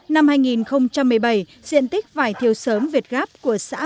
năm hai nghìn một mươi bảy diện tích vải thiêu sớm việt gáp của sài gòn